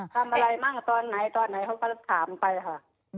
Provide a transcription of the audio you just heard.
ทำอะไรมั่งตอนไหนตอนไหนเขาก็ถามไปค่ะ